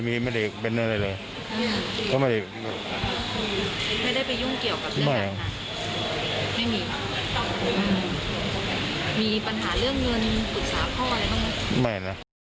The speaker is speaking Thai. มีปัญหาเรื่องเงินปรึกษาพ่ออะไรบ้างไหมไม่นะ